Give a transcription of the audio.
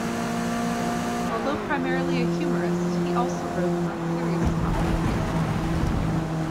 Although primarily a humorist, he also wrote on serious topics.